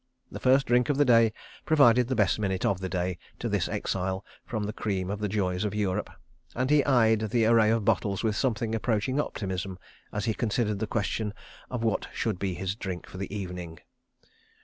The first drink of the day provided the best minute of the day to this exile from the cream of the joys of Europe; and he eyed the array of bottles with something approaching optimism as he considered the question of what should be his drink for the evening.